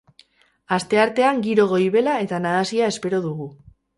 Asteartean giro goibela eta nahasia espero dugu.